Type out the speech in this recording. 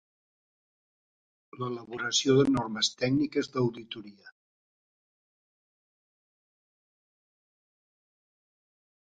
L'elaboració de normes tècniques d'auditoria.